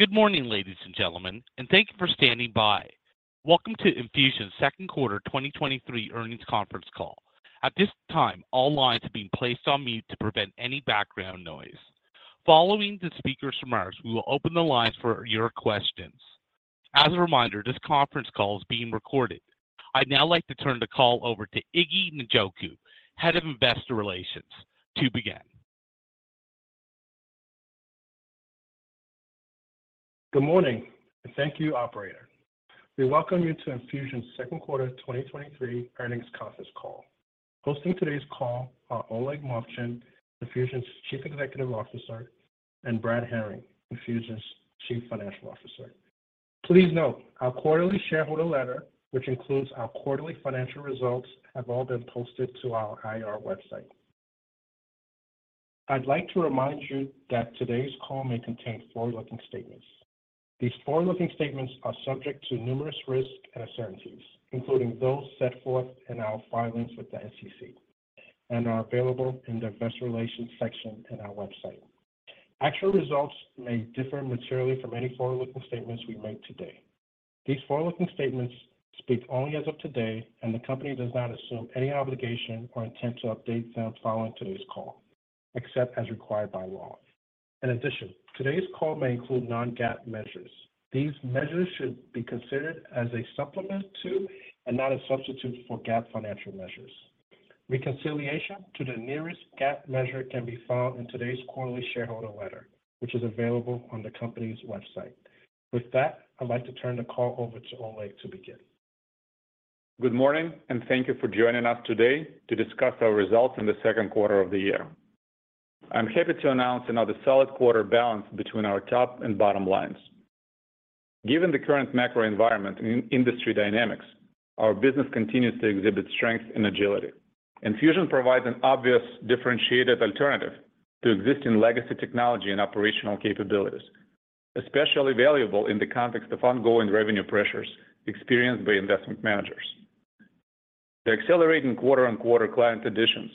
Good morning, ladies and gentlemen, and thank you for standing by. Welcome to Enfusion's Q2 2023 earnings conference call. At this time, all lines are being placed on mute to prevent any background noise. Following the speakers' remarks, we will open the lines for your questions. As a reminder, this conference call is being recorded. I'd now like to turn the call over to Iggy Njoku, Head of Investor Relations, to begin. Good morning, thank you, operator. We welcome you to Enfusion's Q2 2023 earnings conference call. Hosting today's call are Oleg Movchan, Enfusion's Chief Executive Officer, and Brad Herring, Enfusion's Chief Financial Officer. Please note, our quarterly shareholder letter, which includes our quarterly financial results, have all been posted to our IR website. I'd like to remind you that today's call may contain forward-looking statements. These forward-looking statements are subject to numerous risks and uncertainties, including those set forth in our filings with the SEC, and are available in the Investor Relations section in our website. Actual results may differ materially from any forward-looking statements we make today. These forward-looking statements speak only as of today, the company does not assume any obligation or intent to update them following today's call, except as required by law. In addition, today's call may include non-GAAP measures. These measures should be considered as a supplement to, and not a substitute for, GAAP financial measures. Reconciliation to the nearest GAAP measure can be found in today's quarterly shareholder letter, which is available on the company's website. With that, I'd like to turn the call over to Oleg to begin. Good morning. Thank you for joining us today to discuss our results in the Q2 of the year. I'm happy to announce another solid quarter balance between our top and bottom lines. Given the current macro environment and industry dynamics, our business continues to exhibit strength and agility. Enfusion provides an obvious differentiated alternative to existing legacy technology and operational capabilities, especially valuable in the context of ongoing revenue pressures experienced by investment managers. The accelerating quarter-on-quarter client additions,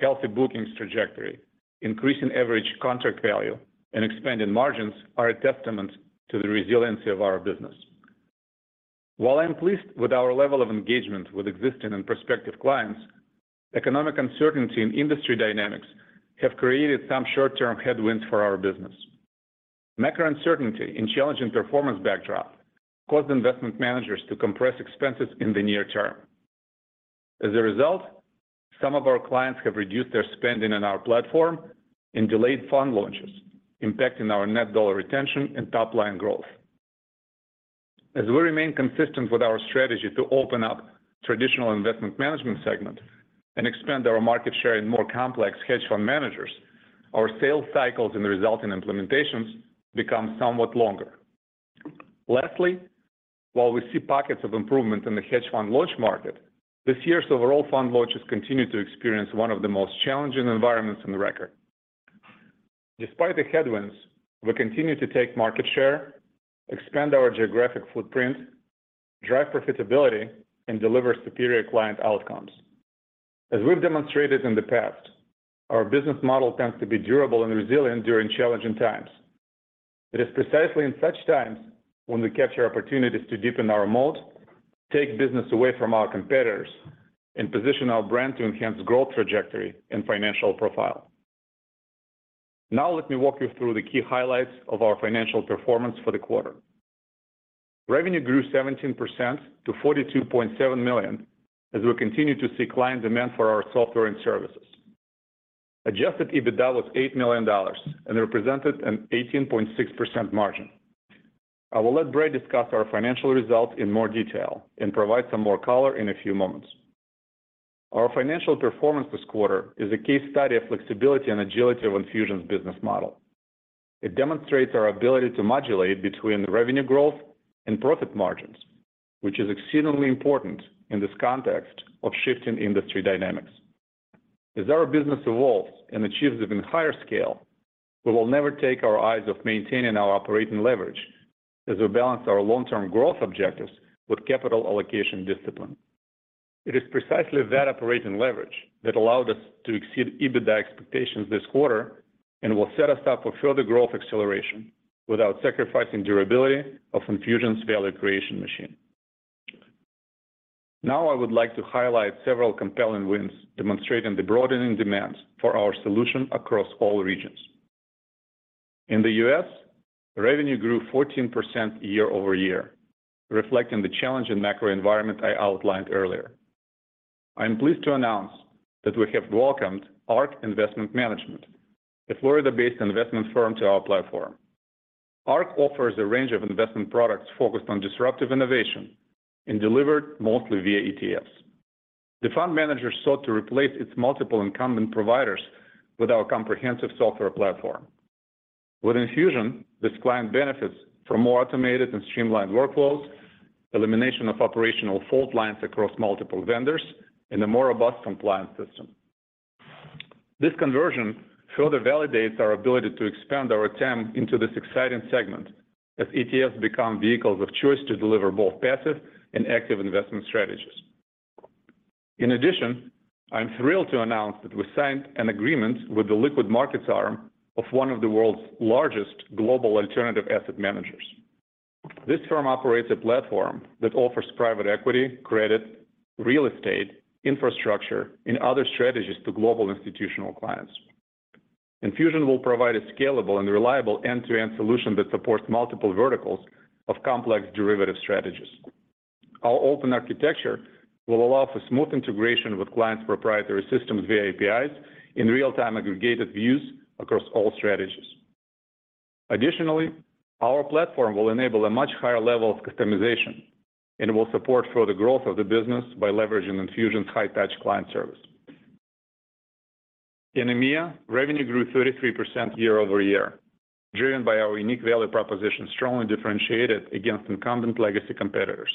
healthy bookings trajectory, increasing average contract value, and expanding margins are a testament to the resiliency of our business. While I'm pleased with our level of engagement with existing and prospective clients, economic uncertainty and industry dynamics have created some short-term headwinds for our business. Macro uncertainty and challenging performance backdrop caused investment managers to compress expenses in the near term. As a result, some of our clients have reduced their spending on our platform and delayed fund launches, impacting our net dollar retention and top-line growth. As we remain consistent with our strategy to open up traditional investment management segment and expand our market share in more complex hedge fund managers, our sales cycles and the resulting implementations become somewhat longer. Lastly, while we see pockets of improvement in the hedge fund launch market, this year's overall fund launches continue to experience one of the most challenging environments in the record. Despite the headwinds, we continue to take market share, expand our geographic footprint, drive profitability, and deliver superior client outcomes. As we've demonstrated in the past, our business model tends to be durable and resilient during challenging times. It is precisely in such times when we capture opportunities to deepen our moat, take business away from our competitors, and position our brand to enhance growth trajectory and financial profile. Now, let me walk you through the key highlights of our financial performance for the quarter. Revenue grew 17% to $42.7 million, as we continue to see client demand for our software and services. Adjusted EBITDA was $8 million and represented an 18.6% margin. I will let Brad discuss our financial results in more detail and provide some more color in a few moments. Our financial performance this quarter is a case study of flexibility and agility of Enfusion's business model. It demonstrates our ability to modulate between revenue growth and profit margins, which is exceedingly important in this context of shifting industry dynamics. As our business evolves and achieves even higher scale, we will never take our eyes of maintaining our operating leverage as we balance our long-term growth objectives with capital allocation discipline. It is precisely that operating leverage that allowed us to exceed EBITDA expectations this quarter and will set us up for further growth acceleration without sacrificing durability of Enfusion's value creation machine. Now, I would like to highlight several compelling wins demonstrating the broadening demands for our solution across all regions. In the U.S., revenue grew 14% year-over-year, reflecting the challenging macro environment I outlined earlier. I am pleased to announce that we have welcomed Ark Investment Management, a Florida-based investment firm, to our platform. Ark offers a range of investment products focused on disruptive innovation and delivered mostly via ETFs. The fund manager sought to replace its multiple incumbent providers with our comprehensive software platform. With Enfusion, this client benefits from more automated and streamlined workflows, elimination of operational fault lines across multiple vendors, and a more robust compliance system. This conversion further validates our ability to expand our attempt into this exciting segment as ETFs become vehicles of choice to deliver both passive and active investment strategies. In addition, I'm thrilled to announce that we signed an agreement with the liquid markets arm of one of the world's largest global alternative asset managers. This firm operates a platform that offers private equity, credit, real estate, infrastructure, and other strategies to global institutional clients. Enfusion will provide a scalable and reliable end-to-end solution that supports multiple verticals of complex derivative strategies. Our open architecture will allow for smooth integration with clients' proprietary systems via APIs in real-time aggregated views across all strategies. Additionally, our platform will enable a much higher level of customization, and will support further growth of the business by leveraging Enfusion's high-touch client service. In EMEA, revenue grew 33% year-over-year, driven by our unique value proposition, strongly differentiated against incumbent legacy competitors.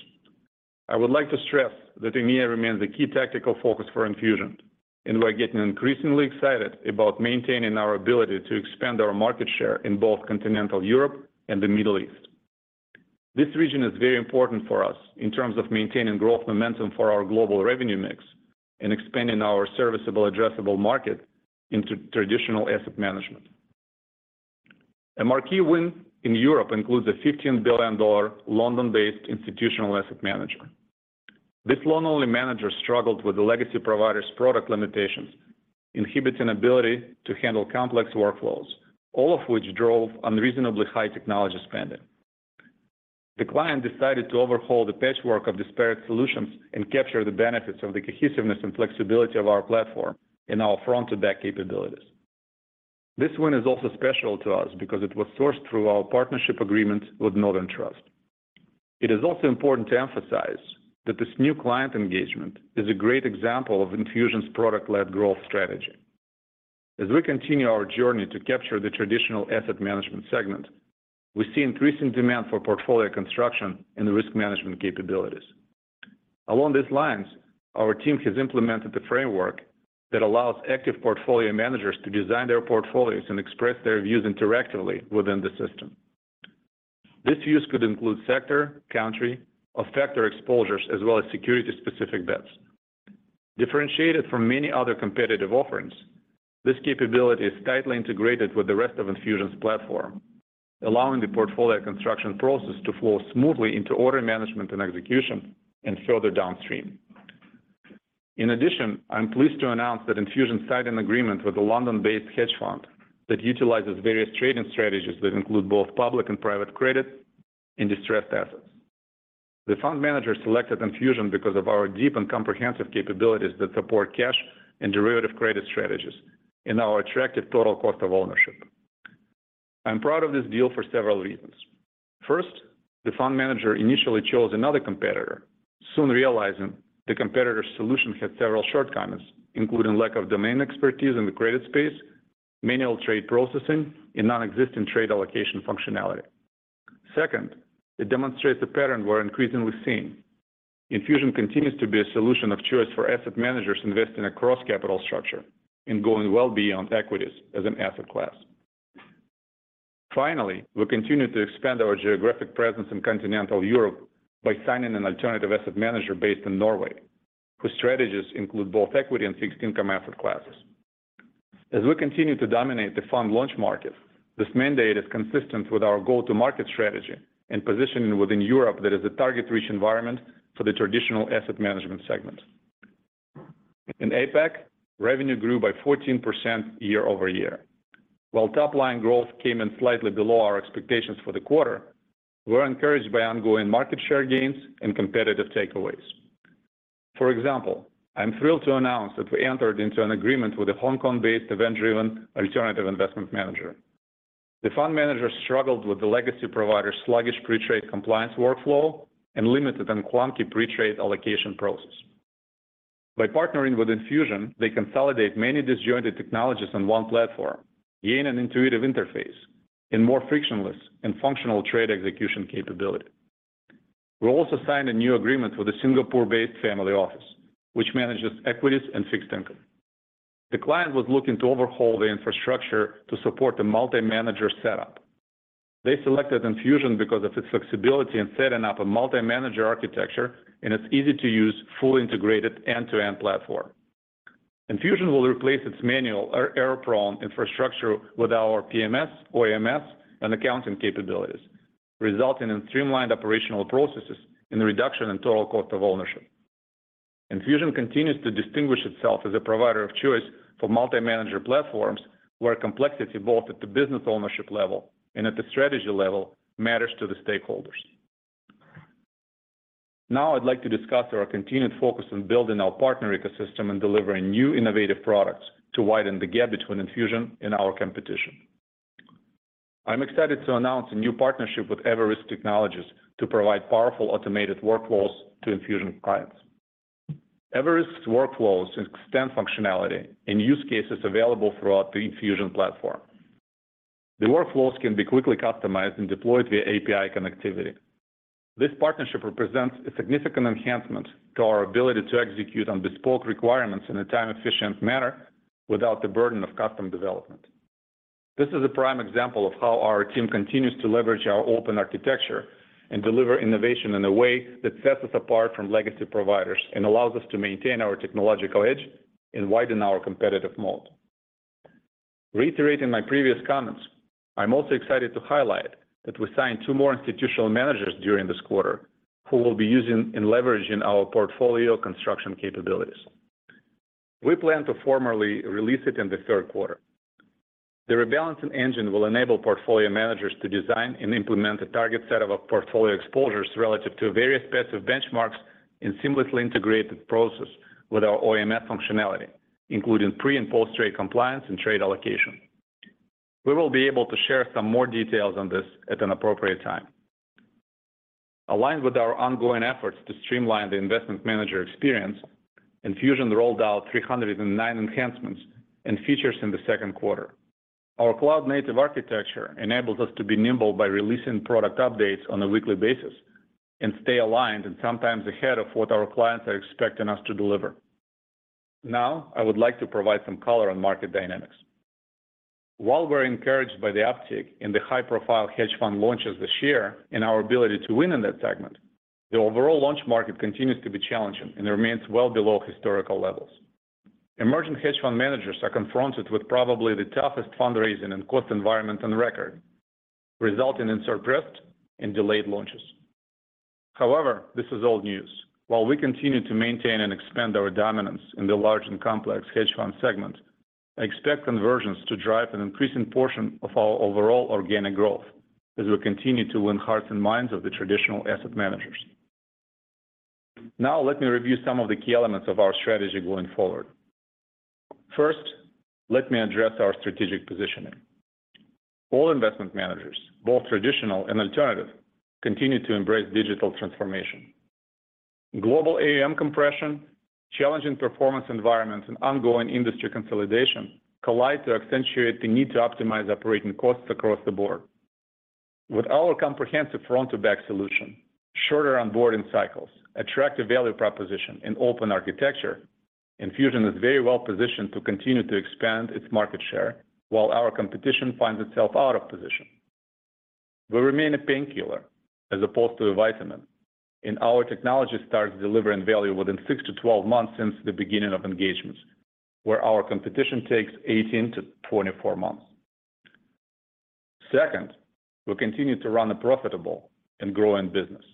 I would like to stress that EMEA remains a key tactical focus for Enfusion, and we're getting increasingly excited about maintaining our ability to expand our market share in both continental Europe and the Middle East. This region is very important for us in terms of maintaining growth momentum for our global revenue mix and expanding our serviceable addressable market into traditional asset management. A marquee win in Europe includes a $15 billion London-based institutional asset manager. This loan-only manager struggled with the legacy provider's product limitations, inhibiting ability to handle complex workflows, all of which drove unreasonably high technology spending. The client decided to overhaul the patchwork of disparate solutions and capture the benefits of the cohesiveness and flexibility of our platform and our front-to-back capabilities. This one is also special to us because it was sourced through our partnership agreement with Northern Trust. It is also important to emphasize that this new client engagement is a great example of Enfusion's product-led growth strategy. As we continue our journey to capture the traditional asset management segment, we see increasing demand for portfolio construction and risk management capabilities. Along these lines, our team has implemented a framework that allows active portfolio managers to design their portfolios and express their views interactively within the system. This views could include sector, country, or factor exposures, as well as security-specific bets. Differentiated from many other competitive offerings, this capability is tightly integrated with the rest of Enfusion's platform, allowing the portfolio construction process to flow smoothly into order management and execution, and further downstream. In addition, I'm pleased to announce that Enfusion signed an agreement with a London-based hedge fund that utilizes various trading strategies that include both public and private credit and distressed assets. The fund manager selected Enfusion because of our deep and comprehensive capabilities that support cash and derivative credit strategies and our attractive total cost of ownership. I'm proud of this deal for several reasons. First, the fund manager initially chose another competitor, soon realizing the competitor's solution had several shortcomings, including lack of domain expertise in the credit space, manual trade processing, and non-existent trade allocation functionality. Second, it demonstrates a pattern we're increasingly seeing. Enfusion continues to be a solution of choice for asset managers investing across capital structure and going well beyond equities as an asset class. Finally, we continue to expand our geographic presence in continental Europe by signing an alternative asset manager based in Norway, whose strategies include both equity and fixed income asset classes. As we continue to dominate the fund launch market, this mandate is consistent with our go-to-market strategy and positioning within Europe that is a target-rich environment for the traditional asset management segment. In APAC, revenue grew by 14% year-over-year. While top-line growth came in slightly below our expectations for the quarter, we're encouraged by ongoing market share gains and competitive takeaways. For example, I'm thrilled to announce that we entered into an agreement with a Hong Kong-based event-driven alternative investment manager. The fund manager struggled with the legacy provider's sluggish pre-trade compliance workflow and limited and clunky pre-trade allocation process. By partnering with Enfusion, they consolidate many disjointed technologies on one platform, gain an intuitive interface, and more frictionless and functional trade execution capability. We also signed a new agreement with a Singapore-based family office, which manages equities and fixed income. The client was looking to overhaul the infrastructure to support a multi-manager setup. They selected Enfusion because of its flexibility in setting up a multi-manager architecture, and its easy-to-use, fully integrated end-to-end platform. Enfusion will replace its manual or error-prone infrastructure with our PMS, OMS, and accounting capabilities, resulting in streamlined operational processes and a reduction in total cost of ownership. Enfusion continues to distinguish itself as a provider of choice for multi-manager platforms, where complexity, both at the business ownership level and at the strategy level, matters to the stakeholders. Now, I'd like to discuss our continued focus on building our partner ecosystem and delivering new innovative products to widen the gap between Enfusion and our competition. I'm excited to announce a new partnership with Everysk Technologies to provide powerful automated workflows to Enfusion clients. Everysk's workflows extend functionality and use cases available throughout the Enfusion platform. The workflows can be quickly customized and deployed via API connectivity. This partnership represents a significant enhancement to our ability to execute on bespoke requirements in a time-efficient manner without the burden of custom development. This is a prime example of how our team continues to leverage our open architecture and deliver innovation in a way that sets us apart from legacy providers, and allows us to maintain our technological edge and widen our competitive moat. Reiterating my previous comments, I'm also excited to highlight that we signed 2 more institutional managers during this quarter, who will be using and leveraging our portfolio construction capabilities. We plan to formally release it in the Q3. The rebalancing engine will enable portfolio managers to design and implement a target set of a portfolio exposures relative to various passive benchmarks, and seamlessly integrated process with our OMS functionality, including pre- and post-trade compliance and trade allocation. We will be able to share some more details on this at an appropriate time. Aligned with our ongoing efforts to streamline the investment manager experience, Enfusion rolled out 309 enhancements and features in the Q2. Our cloud-native architecture enables us to be nimble by releasing product updates on a weekly basis, and stay aligned and sometimes ahead of what our clients are expecting us to deliver. I would like to provide some color on market dynamics. While we're encouraged by the uptick in the high-profile hedge fund launches this year and our ability to win in that segment, the overall launch market continues to be challenging and remains well below historical levels. Emerging hedge fund managers are confronted with probably the toughest fundraising and cost environment on record, resulting in surf drift and delayed launches. This is old news. While we continue to maintain and expand our dominance in the large and complex hedge fund segment, I expect conversions to drive an increasing portion of our overall organic growth as we continue to win hearts and minds of the traditional asset managers. Now, let me review some of the key elements of our strategy going forward. First, let me address our strategic positioning. All investment managers, both traditional and alternative, continue to embrace digital transformation. Global AUM compression, challenging performance environment, and ongoing industry consolidation collide to accentuate the need to optimize operating costs across the board. With our comprehensive front-to-back solution, shorter onboarding cycles, attractive value proposition, and open architecture, Enfusion is very well positioned to continue to expand its market share while our competition finds itself out of position. We remain a painkiller as opposed to a vitamin, and our technology starts delivering value within 6-12 months since the beginning of engagements, where our competition takes 18-24 months. Second, we continue to run a profitable and growing business.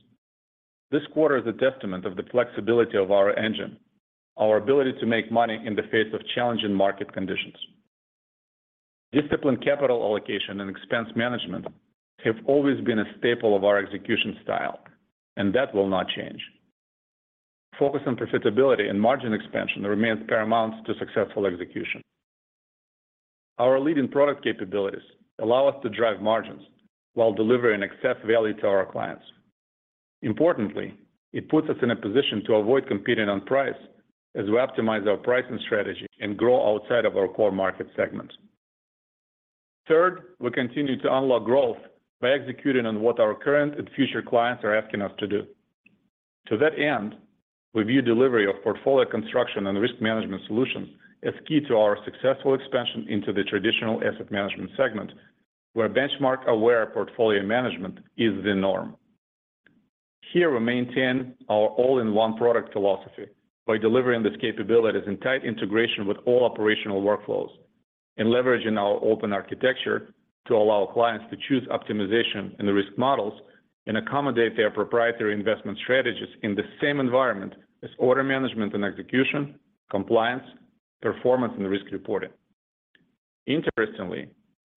This quarter is a testament of the flexibility of our engine, our ability to make money in the face of challenging market conditions. Disciplined capital allocation and expense management have always been a staple of our execution style, and that will not change. Focus on profitability and margin expansion remains paramount to successful execution. Our leading product capabilities allow us to drive margins while delivering excess value to our clients. Importantly, it puts us in a position to avoid competing on price as we optimize our pricing strategy and grow outside of our core market segment. Third, we continue to unlock growth by executing on what our current and future clients are asking us to do. To that end, we view delivery of portfolio construction and risk management solutions as key to our successful expansion into the traditional asset management segment, where benchmark-aware portfolio management is the norm. Here, we maintain our all-in-one product philosophy by delivering these capabilities in tight integration with all operational workflows, and leveraging our open architecture to allow clients to choose optimization in the risk models and accommodate their proprietary investment strategies in the same environment as order management and execution, compliance, performance, and risk reporting. Interestingly,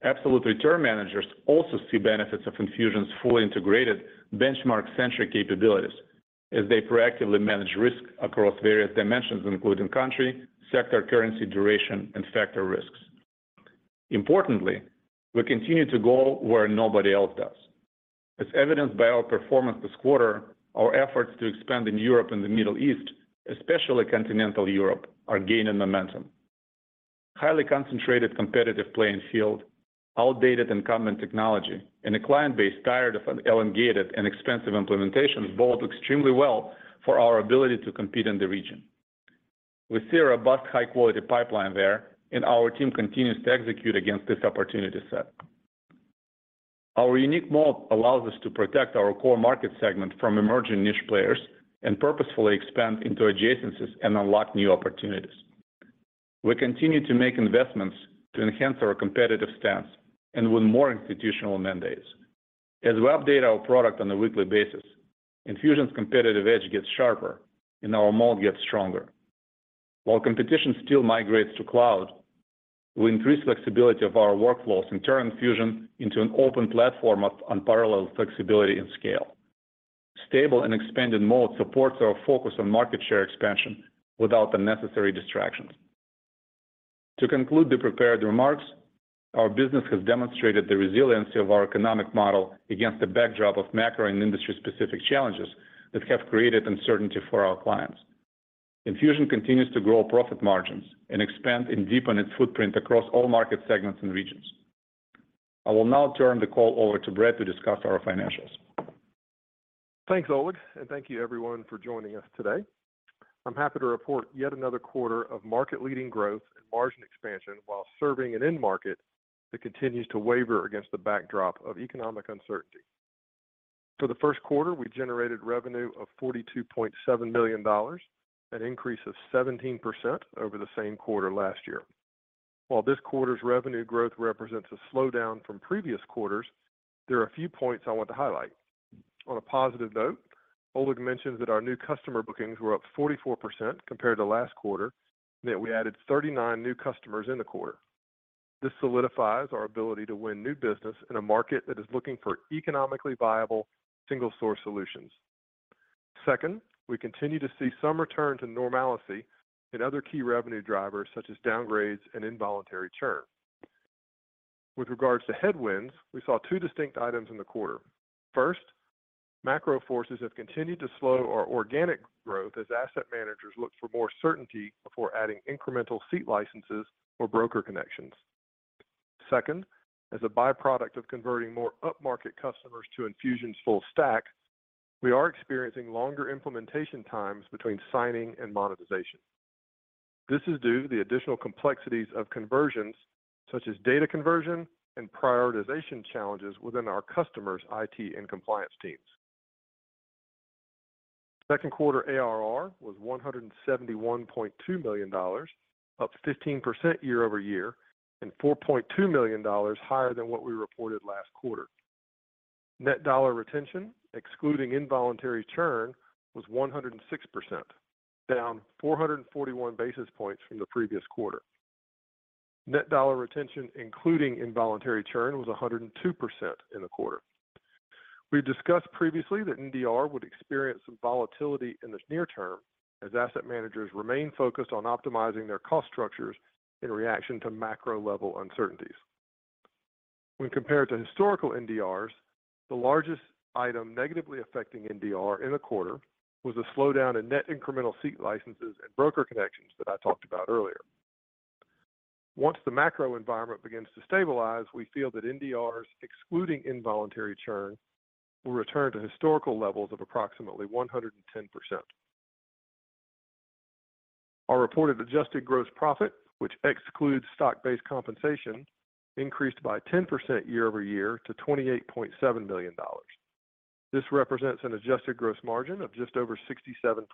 absolute return managers also see benefits of Enfusion's fully integrated benchmark-centric capabilities as they proactively manage risk across various dimensions, including country, sector, currency, duration, and factor risks. Importantly, we continue to go where nobody else does. As evidenced by our performance this quarter, our efforts to expand in Europe and the Middle East, especially continental Europe, are gaining momentum. Highly concentrated, competitive playing field, outdated incumbent technology, and a client base tired of an elongated and expensive implementation bode extremely well for our ability to compete in the region. We see a robust, high-quality pipeline there, and our team continues to execute against this opportunity set. Our unique moat allows us to protect our core market segment from emerging niche players and purposefully expand into adjacencies and unlock new opportunities. We continue to make investments to enhance our competitive stance and win more institutional mandates. As we update our product on a weekly basis, Enfusion's competitive edge gets sharper and our moat gets stronger. While competition still migrates to cloud, we increase flexibility of our workflows and turn Enfusion into an open platform of unparalleled flexibility and scale. Stable and expanded moat supports our focus on market share expansion without unnecessary distractions. To conclude the prepared remarks, our business has demonstrated the resiliency of our economic model against the backdrop of macro and industry-specific challenges that have created uncertainty for our clients. Enfusion continues to grow profit margins and expand and deepen its footprint across all market segments and regions. I will now turn the call over to Brad to discuss our financials. Thanks, Oleg, and thank you everyone for joining us today. I'm happy to report yet another quarter of market-leading growth and margin expansion while serving an end market that continues to waver against the backdrop of economic uncertainty. For the Q1, we generated revenue of $42.7 million, an increase of 17% over the same quarter last year. While this quarter's revenue growth represents a slowdown from previous quarters, there are a few points I want to highlight. On a positive note, Oleg mentioned that our new customer bookings were up 44% compared to last quarter, and that we added 39 new customers in the quarter. This solidifies our ability to win new business in a market that is looking for economically viable single-source solutions. Second, we continue to see some return to normalcy in other key revenue drivers, such as downgrades and involuntary churn. With regards to headwinds, we saw 2 distinct items in the quarter. First, macro forces have continued to slow our organic growth as asset managers look for more certainty before adding incremental seat licenses or broker connections. Second, as a byproduct of converting more upmarket customers to Enfusion's full stack, we are experiencing longer implementation times between signing and monetization. This is due to the additional complexities of conversions, such as data conversion and prioritization challenges within our customers' IT and compliance teams. Q2 ARR was $171.2 million, up 15% year-over-year, and $4.2 million higher than what we reported last quarter. Net dollar retention, excluding involuntary churn, was 106%, down 441 basis points from the previous quarter. Net dollar retention, including involuntary churn, was 102% in the quarter. We've discussed previously that NDR would experience some volatility in the near term as asset managers remain focused on optimizing their cost structures in reaction to macro-level uncertainties. When compared to historical NDRs, the largest item negatively affecting NDR in the quarter was a slowdown in net incremental seat licenses and broker connections that I talked about earlier. Once the macro environment begins to stabilize, we feel that NDRs, excluding involuntary churn, will return to historical levels of approximately 110%. Our reported adjusted gross profit, which excludes stock-based compensation, increased by 10% year-over-year to $28.7 million. This represents an adjusted gross margin of just over 67%.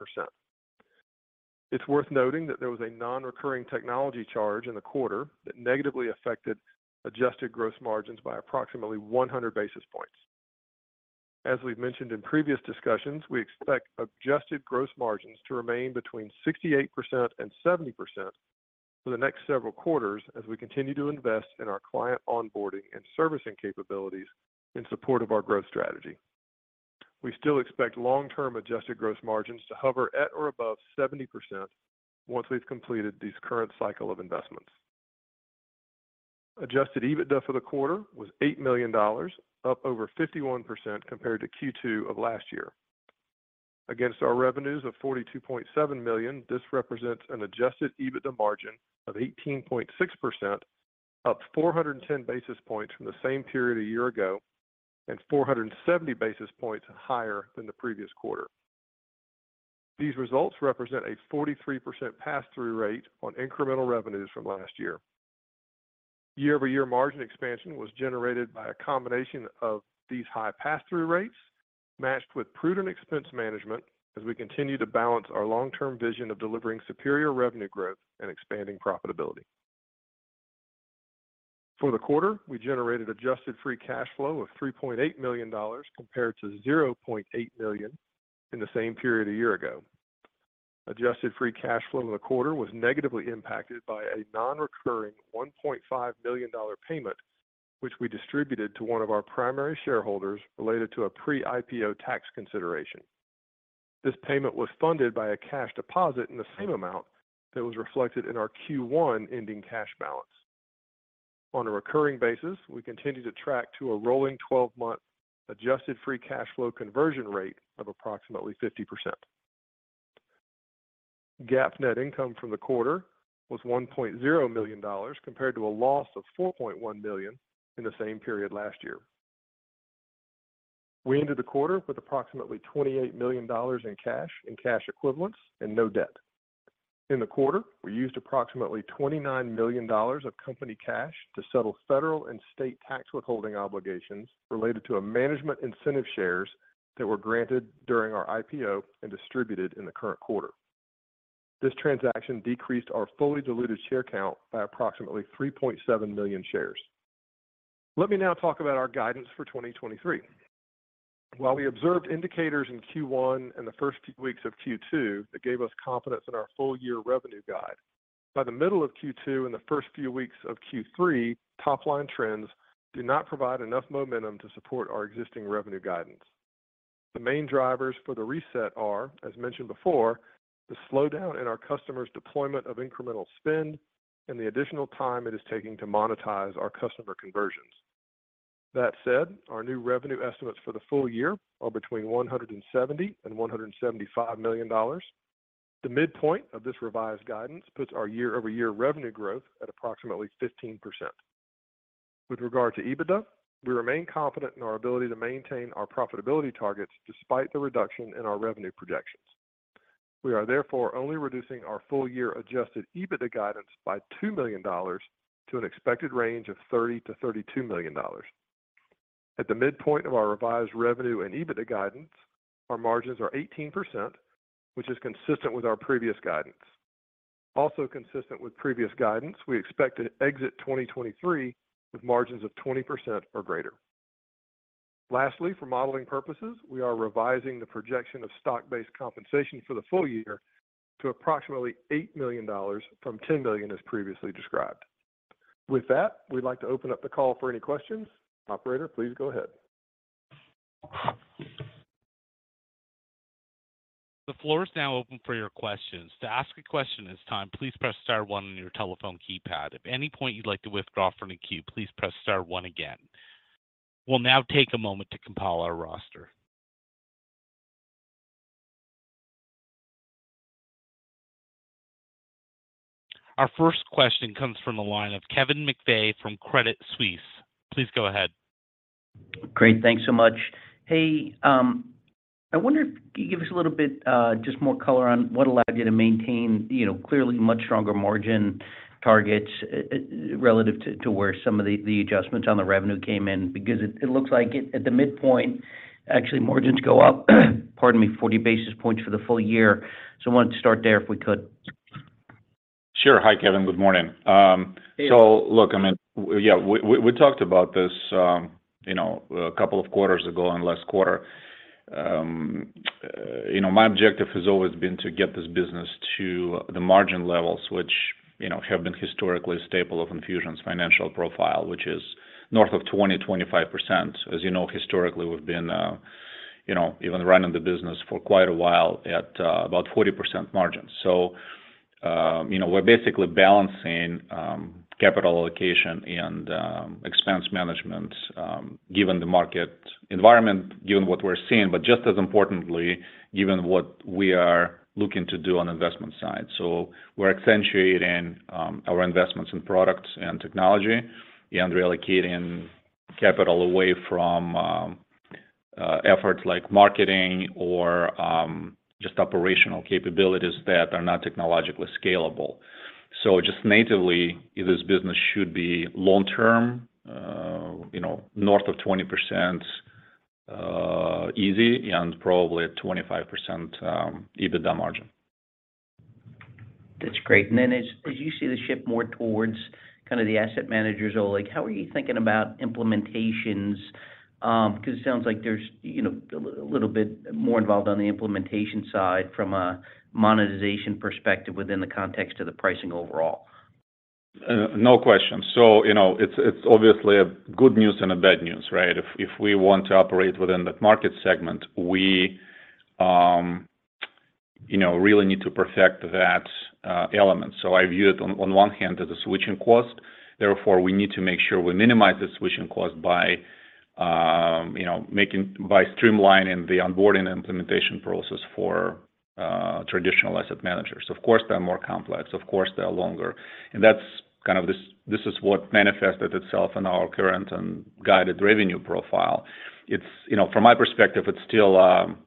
It's worth noting that there was a non-recurring technology charge in the quarter that negatively affected adjusted gross margins by approximately 100 basis points. As we've mentioned in previous discussions, we expect adjusted gross margins to remain between 68%-70% for the next several quarters as we continue to invest in our client onboarding and servicing capabilities in support of our growth strategy. We still expect long-term adjusted gross margins to hover at or above 70% once we've completed this current cycle of investments. Adjusted EBITDA for the quarter was $8 million, up over 51% compared to Q2 of last year. Against our revenues of $42.7 million, this represents an Adjusted EBITDA margin of 18.6%, up 410 basis points from the same period a year ago and 470 basis points higher than the previous quarter. These results represent a 43% pass-through rate on incremental revenues from last year. Year-over-year margin expansion was generated by a combination of these high pass-through rates, matched with prudent expense management as we continue to balance our long-term vision of delivering superior revenue growth and expanding profitability. For the quarter, we generated adjusted free cash flow of $3.8 million compared to $0.8 million in the same period a year ago. Adjusted free cash flow in the quarter was negatively impacted by a non-recurring $1.5 million payment, which we distributed to one of our primary shareholders related to a pre-IPO tax consideration. This payment was funded by a cash deposit in the same amount that was reflected in our Q1 ending cash balance. On a recurring basis, we continue to track to a rolling 12-month Adjusted free cash flow conversion rate of approximately 50%. GAAP net income from the quarter was $1.0 million, compared to a loss of $4.1 million in the same period last year. We ended the quarter with approximately $28 million in cash and cash equivalents and no debt. In the quarter, we used approximately $29 million of company cash to settle federal and state tax withholding obligations related to a management incentive shares that were granted during our IPO and distributed in the current quarter. This transaction decreased our fully diluted share count by approximately 3.7 million shares. Let me now talk about our guidance for 2023. While we observed indicators in Q1 and the first few weeks of Q2 that gave us confidence in our full year revenue guide, by the middle of Q2 and the first few weeks of Q3, top-line trends do not provide enough momentum to support our existing revenue guidance. The main drivers for the reset are, as mentioned before, the slowdown in our customers' deployment of incremental spend and the additional time it is taking to monetize our customer conversions. That said, our new revenue estimates for the full year are between $170 million and $175 million. The midpoint of this revised guidance puts our year-over-year revenue growth at approximately 15%. With regard to EBITDA, we remain confident in our ability to maintain our profitability targets despite the reduction in our revenue projections. We are therefore only reducing our full year adjusted EBITDA guidance by $2 million to an expected range of $30 million-$32 million. At the midpoint of our revised revenue and EBITDA guidance, our margins are 18%, which is consistent with our previous guidance. Also consistent with previous guidance, we expect to exit 2023 with margins of 20% or greater. Lastly, for modeling purposes, we are revising the projection of stock-based compensation for the full year to approximately $8 million from $10 million, as previously described. With that, we'd like to open up the call for any questions. Operator, please go ahead. The floor is now open for your questions. To ask a question this time, please press star one on your telephone keypad. At any point you'd like to withdraw from the queue, please press star one again. We'll now take a moment to compile our roster. Our first question comes from the line of Kevin McVeigh from Credit Suisse. Please go ahead. Great. Thanks so much. Hey, I wonder if you could give us a little bit, just more color on what allowed you to maintain clearly much stronger margin targets, relative to, to where some of the, the adjustments on the revenue came in, because it, it looks like at the midpoint, actually, margins go up, pardon me, 40 basis points for the full year. So I want to start there, if we could. Sure. Hi, Kevin. Good morning. Hey. Look, I mean, yeah, we, we, we talked about this a couple of quarters ago and last quarter., my objective has always been to get this business to the margin levels, which have been historically staple of Enfusion's financial profile, which is north of 20-25%. As, historically, we've been even running the business for quite a while at about 40% margins., we're basically balancing capital allocation and expense management, given the market environment, given what we're seeing, but just as importantly, given what we are looking to do on investment side. We're accentuating our investments in products and technology and reallocating capital away from efforts like marketing or just operational capabilities that are not technologically scalable. Just natively, this business should be long term north of 20%, easy, and probably at 25% EBITDA margin. That's great. Then as, as you see the shift more towards the asset managers, Oleg, how are you thinking about implementations? Because it sounds like there's a little bit more involved on the implementation side from a monetization perspective within the context of the pricing overall. No question., it's, it's obviously a good news and a bad news, right? If, if we want to operate within that market segment, we really need to perfect that element. I view it on, on one hand, as a switching cost, therefore, we need to make sure we minimize the switching cost by by streamlining the onboarding implementation process for traditional asset managers. Of course, they're more complex, of course, they're longer. That's kind of this, this is what manifested itself in our current and guided revenue profile. It's., from my perspective, it's still,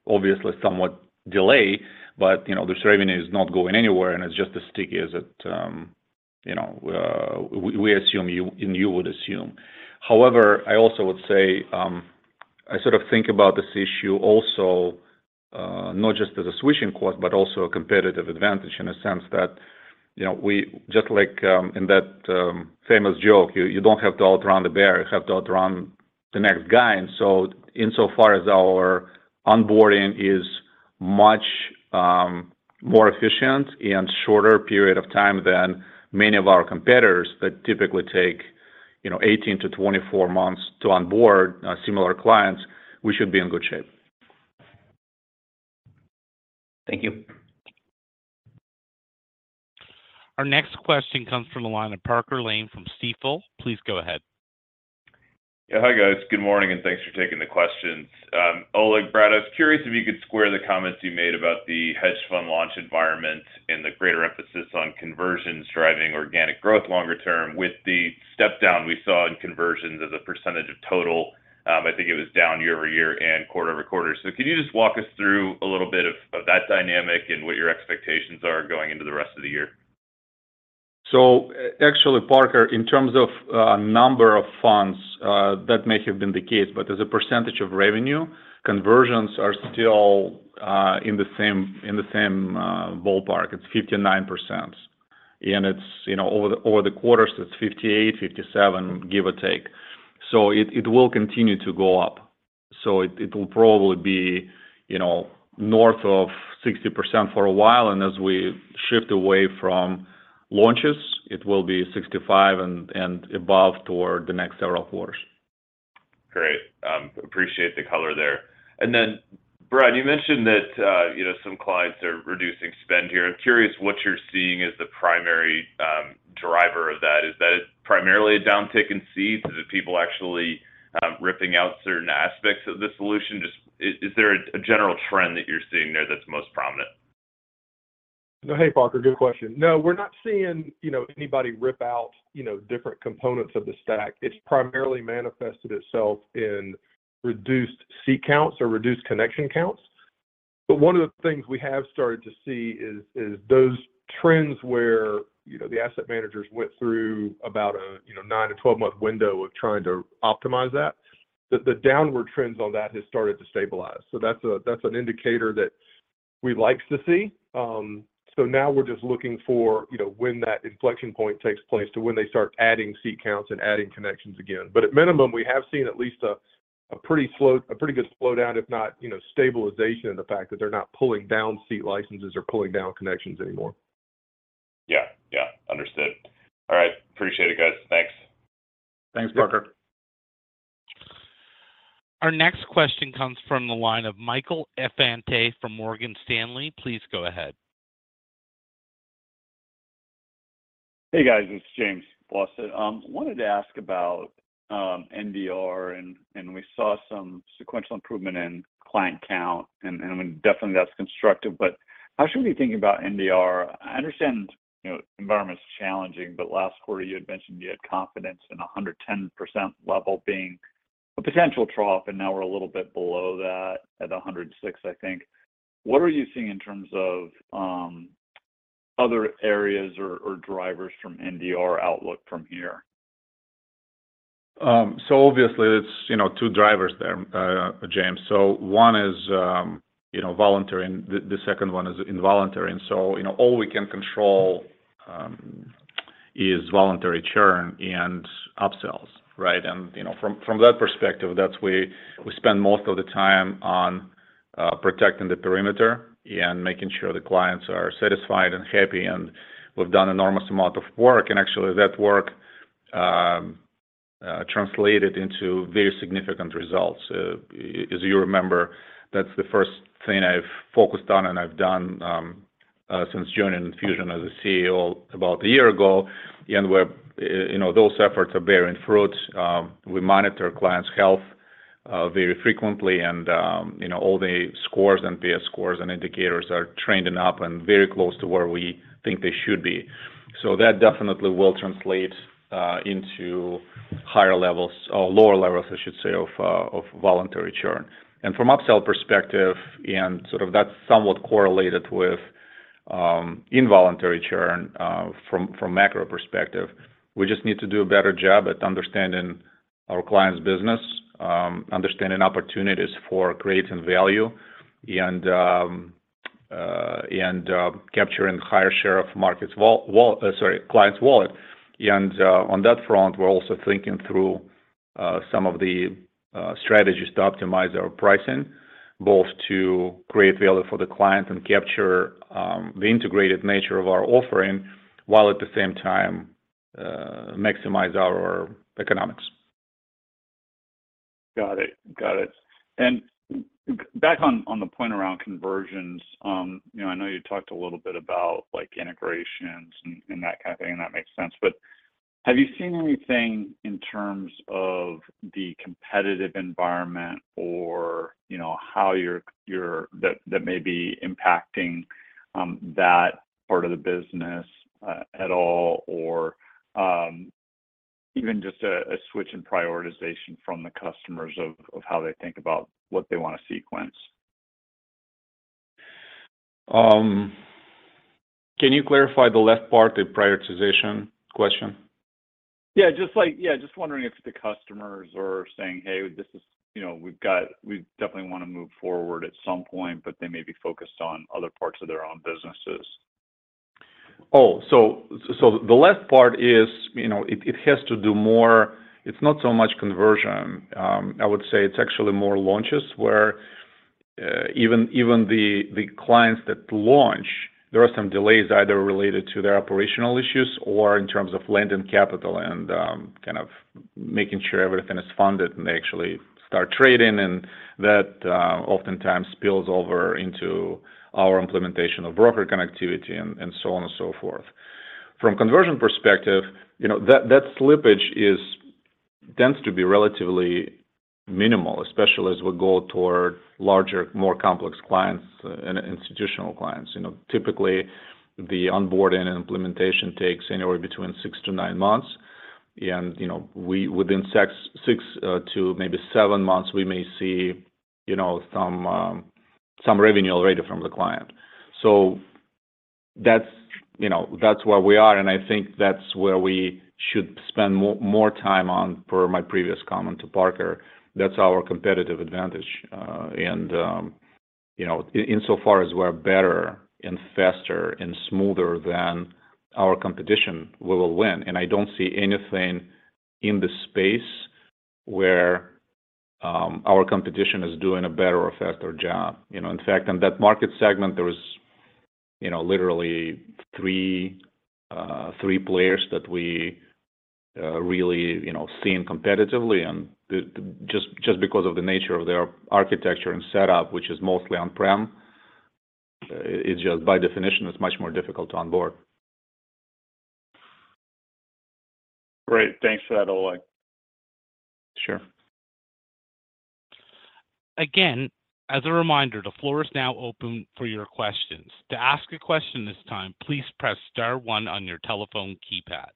obviously somewhat delay, but this revenue is not going anywhere, and it's just as sticky as it we, we assume you, and you would assume. However, I also would say, I sort of think about this issue also, not just as a switching cost, but also a competitive advantage in a sense that we just like, in that, famous joke, you, you don't have to outrun the bear, you have to outrun the next guy. Insofar as our onboarding is much, more efficient in shorter period of time than many of our competitors that typically take 18-24 months to onboard, similar clients, we should be in good shape. Thank you. Our next question comes from the line of Parker Lane from Stifel. Please go ahead. Yeah. Hi, guys. Good morning, and thanks for taking the questions. Oleg, Brad, I was curious if you could square the comments you made about the hedge fund launch environment and the greater emphasis on conversions driving organic growth longer term with the step down we saw in conversions as a % of total. I think it was down year-over-year and quarter-over-quarter. Can you just walk us through a little bit of, of that dynamic and what your expectations are going into the rest of the year? Actually, Parker, in terms of number of funds, that may have been the case, but as a percentage of revenue, conversions are still in the same, in the same ballpark. It's 59%, and it's over the, over the quarters, it's 58, 57, give or take. It, it will continue to go up. It, it will probably be north of 60% for a while, and as we shift away from launches, it will be 65 and, and above toward the next several quarters. Great. appreciate the color there. Brad, you mentioned that some clients are reducing spend here. I'm curious what you're seeing as the primary driver of that. Is that primarily a downtick in seeds? Is it people actually, ripping out certain aspects of the solution? Just, is there a general trend that you're seeing there that's most prominent? ... No. Hey, Parker, good question. No, we're not seeing anybody rip out different components of the stack. It's primarily manifested itself in reduced seat counts or reduced connection counts. But one of the things we have started to see is, is those trends where the asset managers went through about a 9 to 12-month window of trying to optimize that, the, the downward trends on that has started to stabilize. That's a, that's an indicator that we likes to see. Now we're just looking for when that inflection point takes place to when they start adding seat counts and adding connections again. At minimum, we have seen at least a pretty good slowdown, if not stabilization in the fact that they're not pulling down seat licenses or pulling down connections anymore. Yeah. Yeah, understood. All right. Appreciate it, guys. Thanks. Thanks, Parker. Our next question comes from the line of Michael Infante from Morgan Stanley. Please go ahead. Hey, guys, it's James Faucette. wanted to ask about NDR, and we saw some sequential improvement in client count, and definitely that's constructive, but how should we be thinking about NDR? I understand environment is challenging, but last quarter, you had mentioned you had confidence in a 110% level being a potential trough, and now we're a little bit below that at 106, I think. What are you seeing in terms of other areas or drivers from NDR outlook from here? Obviously, it's two drivers there, James. One is voluntary, and the second one is involuntary. All we can control is voluntary churn and upsells, right? From that perspective, that's we spend most of the time on protecting the perimeter and making sure the clients are satisfied and happy, and we've done enormous amount of work. Actually, that work translated into very significant results. As you remember, that's the first thing I've focused on, and I've done since joining Enfusion as a CEO about a year ago, and where those efforts are bearing fruit. We monitor clients' health, very frequently, and all the scores and via scores and indicators are trending up and very close to where we think they should be. That definitely will translate, into higher levels, or lower levels, I should say, of voluntary churn. From upsell perspective, and sort of that's somewhat correlated with, involuntary churn, from, from macro perspective, we just need to do a better job at understanding our clients' business, understanding opportunities for creating value, and, and, capturing higher share of markets wal-wal... Sorry, clients' wallet. On that front, we're also thinking through, some of the, strategies to optimize our pricing, both to create value for the client and capture, the integrated nature of our offering, while at the same time, maximize our economics. Got it. Got it. Back on, on the point around conversions I know you talked a little bit about like integrations and, and that kind of thing, and that makes sense. Have you seen anything in terms of the competitive environment or how that, that may be impacting, that part of the business, at all, or, even just a, a switch in prioritization from the customers of, of how they think about what they want to sequence? Can you clarify the left part, the prioritization question? Yeah, just like, yeah, just wondering if the customers are saying, "Hey, this is we've got, we definitely want to move forward at some point," but they may be focused on other parts of their own businesses. Oh, so the left part is it, it has to do more. It's not so much conversion. I would say it's actually more launches, where even, even the, the clients that launch, there are some delays, either related to their operational issues or in terms of lending capital and, kind of making sure everything is funded and they actually start trading, and that oftentimes spills over into our implementation of broker connectivity and, and so on and so forth. From conversion perspective that, that slippage tends to be relatively minimal, especially as we go toward larger, more complex clients and institutional clients., typically, the onboarding and implementation takes anywhere between six to nine months, and we within six, six to maybe seven months, we may see some revenue already from the client. that's that's where we are, and I think that's where we should spend more time on, per my previous comment to Parker. That's our competitive advantage, and insofar as we're better and faster and smoother than our competition, we will win. I don't see anything in the space where our competition is doing a better or faster job., in fact, in that market segment, there is literally three, three players that we really seeing competitively, just because of the nature of their architecture and setup, which is mostly on-prem, it's just by definition, it's much more difficult to onboard. Great. Thanks for that, Oleg. Sure. Again, as a reminder, the floor is now open for your questions. To ask a question this time, please press star 1 on your telephone keypad.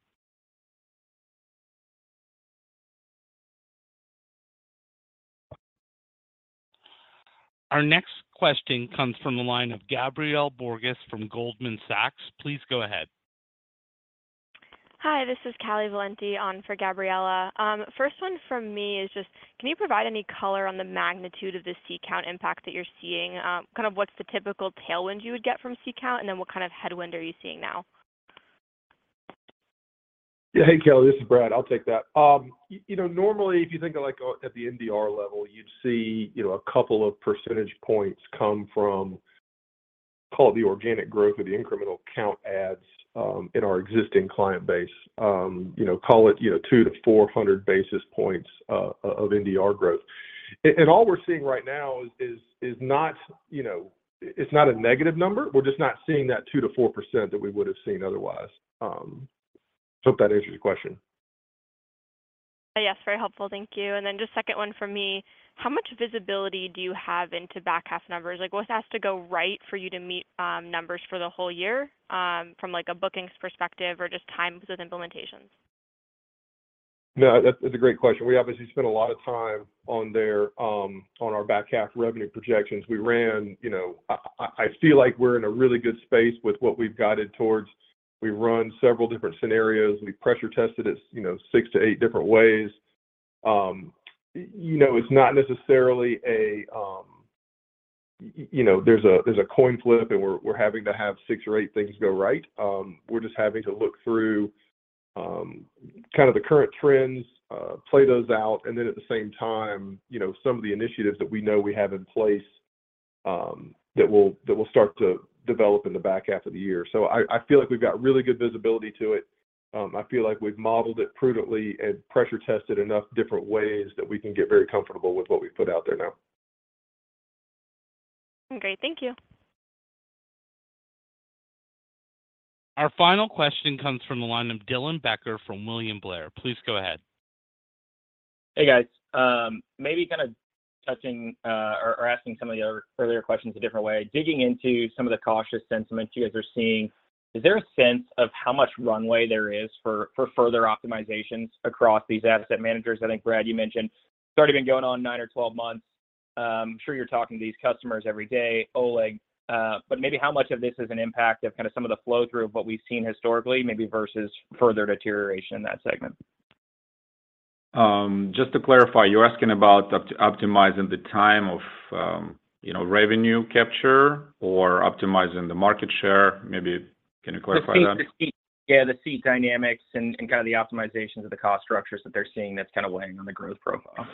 Our next question comes from the line of Gabriela Borges from Goldman Sachs. Please go ahead. Hi, this is Callie Valenti on for Gabriella. first one from me is just, can you provide any color on the magnitude of the seat count impact that you're seeing? kind of what's the typical tailwind you would get from seat count, and then what kind of headwind are you seeing now? Yeah. Hey, Callie, this is Brad. I'll take that., normally, if you think of, like, at the NDR level, you'd see a couple of percentage points come from, call it the organic growth or the incremental count ads, in our existing client base., call it 200-400 basis points of NDR growth. All we're seeing right now is, is, is not,... It's not a negative number. We're just not seeing that 2%-4% that we would have seen otherwise. Hope that answers your question. Yes, very helpful. Thank you. Then just second one from me, how much visibility do you have into back half numbers? Like, what has to go right for you to meet numbers for the whole year from, like, a bookings perspective or just times with implementations? No, that's, that's a great question. We obviously spent a lot of time on there, on our back half revenue projections. We ran I, I, I feel like we're in a really good space with what we've guided towards. We run several different scenarios. We pressure tested it six to eight different ways., it's not necessarily a there's a, there's a coin flip, and we're, we're having to have six or eight things go right. We're just having to look through, kind of the current trends, play those out, and then at the same time some of the initiatives that we know we have in place, that will, that will start to develop in the back half of the year. I, I feel like we've got really good visibility to it. I feel like we've modeled it prudently and pressure tested enough different ways that we can get very comfortable with what we've put out there now. Great. Thank you. Our final question comes from the line of Dylan Becker from William Blair. Please go ahead. Hey, guys. Maybe kinda touching, or, or asking some of the other earlier questions a different way. Digging into some of the cautious sentiment you guys are seeing, is there a sense of how much runway there is for, for further optimizations across these asset managers? I think, Brad, you mentioned it's already been going on 9 or 12 months. I'm sure you're talking to these customers every day, Oleg, but maybe how much of this is an impact of kinda some of the flow through of what we've seen historically, maybe versus further deterioration in that segment? Just to clarify, you're asking about optimizing the time of revenue capture or optimizing the market share? Maybe, can you clarify that? Yeah, the seat dynamics and kind of the optimizations of the cost structures that they're seeing that's kind of weighing on the growth profile.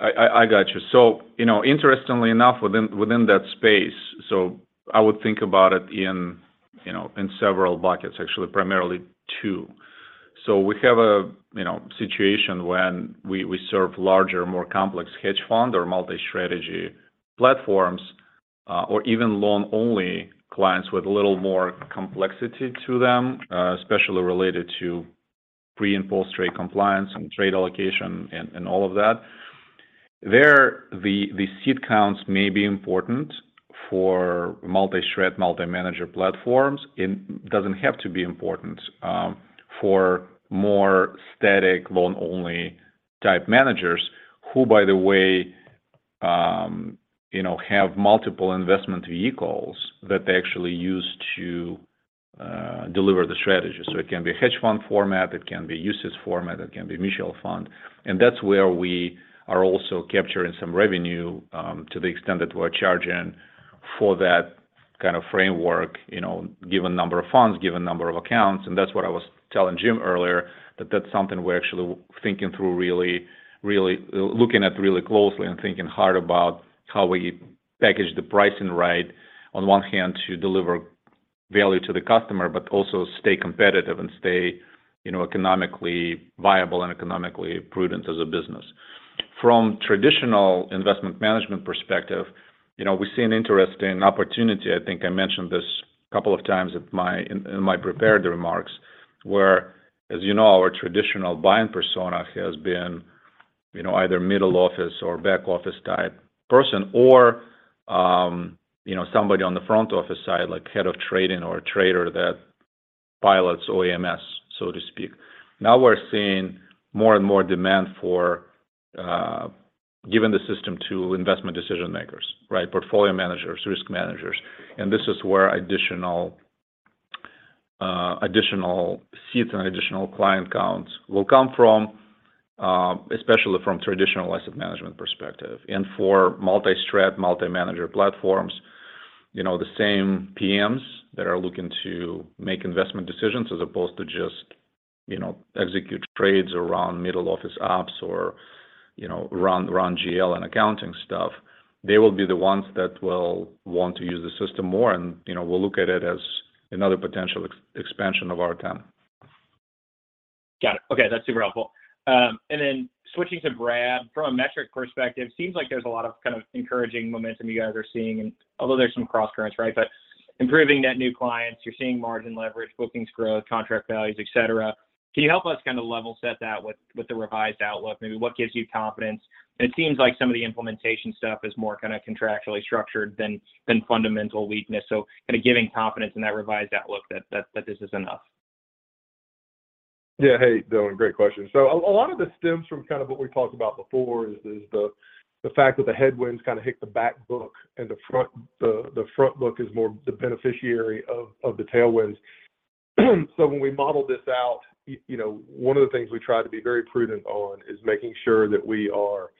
I got you., interestingly enough, within, within that space, so I would think about it in in several buckets, actually, primarily two. We have a situation when we, we serve larger, more complex hedge fund or multi-strategy platforms, or even loan-only clients with a little more complexity to them, especially related to pre- and post-trade compliance and trade allocation and, and all of that. There, the, the seat counts may be important for multi-strat, multi-manager platforms. It doesn't have to be important, for more static, loan-only type managers, who, by the way have multiple investment vehicles that they actually use to deliver the strategy. It can be a hedge fund format, it can be a uses format, it can be a mutual fund, and that's where we are also capturing some revenue, to the extent that we're charging for that kind of framework given number of funds, given number of accounts. That's what I was telling Jim earlier, that that's something we're actually thinking through looking at really closely and thinking hard about how we package the pricing right on one hand to deliver value to the customer, but also stay competitive and stay economically viable and economically prudent as a business. From traditional investment management perspective we see an interesting opportunity. I think I mentioned this a couple of times at my-- in, in my prepared remarks, where, as, our traditional buying persona has been either middle office or back office type person or somebody on the front office side, like head of trading or a trader that pilots OEMs, so to speak. Now, we're seeing more and more demand for giving the system to investment decision makers, right? Portfolio managers, risk managers, and this is where additional, additional seats and additional client counts will come from, especially from traditional asset management perspective. For multi-strat, multi-manager platforms the same PMs that are looking to make investment decisions as opposed to just execute trades around middle office apps or run, run GL and accounting stuff, they will be the ones that will want to use the system more, and we'll look at it as another potential expansion of our count. Got it. Okay, that's super helpful. Then switching to Brad, from a metric perspective, seems like there's a lot of kind of encouraging momentum you guys are seeing, and although there's some cross currents, right, but improving net new clients, you're seeing margin leverage, bookings growth, contract values, et cetera. Can you help us kind of level set that with, with the revised outlook? Maybe what gives you confidence? It seems like some of the implementation stuff is more kind of contractually structured than, than fundamental weakness, so kind of giving confidence in that revised outlook that, that, that this is enough. Yeah. Hey, Dylan, great question. A lot of this stems from kind of what we talked about before, is the fact that the headwinds kind of hit the back book, and the front, the front book is more the beneficiary of the tailwinds. When we model this out one of the things we try to be very prudent on is making sure that we are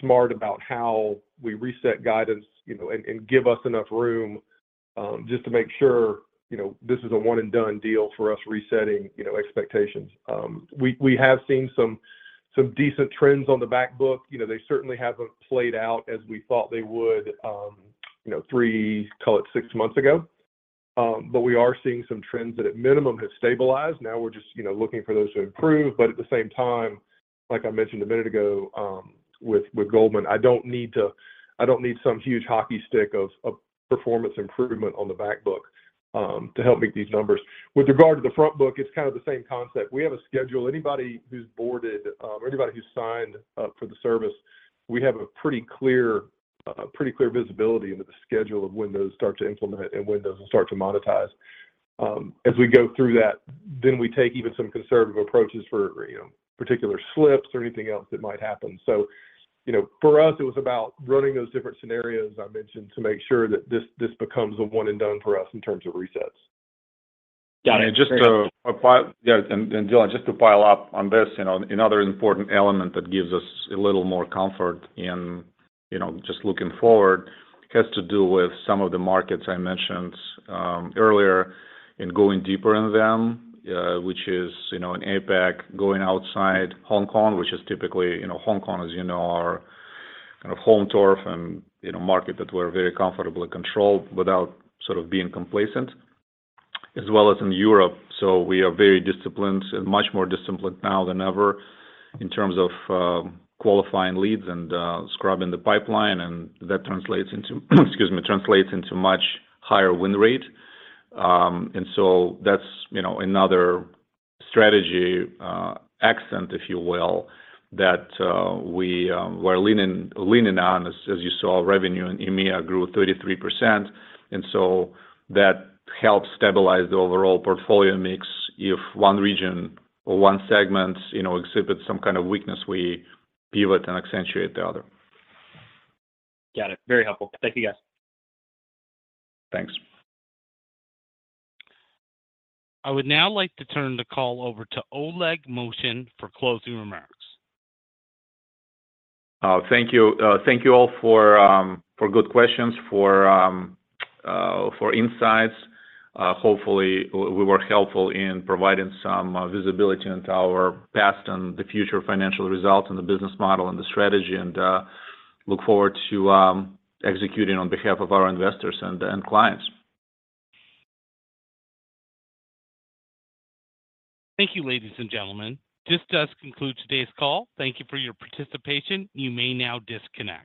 smart about how we reset guidance and give us enough room, just to make sure this is a one-and-done deal for us resetting expectations. We have seen some decent trends on the back book., they certainly haven't played out as we thought they would three, call it six months ago. We are seeing some trends that, at minimum, have stabilized. Now, we're just looking for those to improve. At the same time, like I mentioned a minute ago, with Goldman, I don't need I don't need some huge hockey stick of, of performance improvement on the back book, to help make these numbers. With regard to the front book, it's kind of the same concept. We have a schedule. Anybody who's boarded, or anybody who's signed up for the service, we have a pretty clear, pretty clear visibility into the schedule of when those start to implement and when those will start to monetize. As we go through that, we take even some conservative approaches for particular slips or anything else that might happen. for us, it was about running those different scenarios I mentioned, to make sure that this, this becomes a one and done for us in terms of resets. Yeah, Dylan, just to pile up on this another important element that gives us a little more comfort in just looking forward, has to do with some of the markets I mentioned earlier, and going deeper in them, which is in APAC, going outside Hong Kong, which is typically..., Hong Kong, as, our kind of home turf and market that we're very comfortably controlled without sort of being complacent, as well as in Europe. We are very disciplined and much more disciplined now than ever in terms of qualifying leads and scrubbing the pipeline, and that translates into, excuse me, translates into much higher win rate. So that's another strategy, accent, if you will, that we're leaning, leaning on. As you saw, revenue in EMEA grew 33%, so that helps stabilize the overall portfolio mix. If one region or one segment exhibits some kind of weakness, we pivot and accentuate the other. Got it. Very helpful. Thank you, guys. Thanks. I would now like to turn the call over to Oleg Movchan for closing remarks. Thank you. Thank you all for good questions, for insights. Hopefully, we were helpful in providing some visibility into our past and the future financial results and the business model and the strategy, and look forward to executing on behalf of our investors and clients. Thank you, ladies and gentlemen. This does conclude today's call. Thank you for your participation. You may now disconnect.